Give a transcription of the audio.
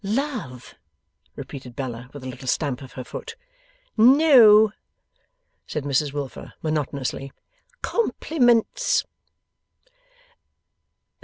'Love!' repeated Bella, with a little stamp of her foot. 'No!' said Mrs Wilfer, monotonously. 'Compliments.